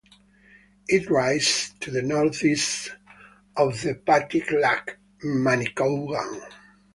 It rises to the northeast of the Petit lac Manicouagan.